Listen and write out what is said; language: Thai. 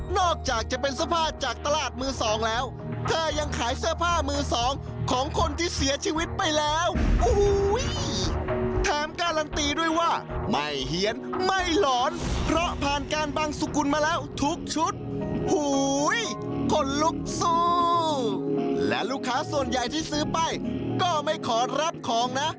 นอกจากจะเป็นเสื้อผ้าจากตลาดมือสองแล้วเธอยังขายเสื้อผ้ามือสอง